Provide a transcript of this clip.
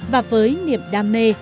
và với niềm đam mê